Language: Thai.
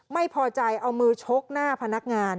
ไม่พอใจเอามือชกหน้าพนักงาน